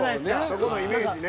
そこのイメージね。